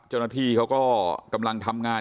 เจ้าหน้าที่เขาก็กำลังทำงาน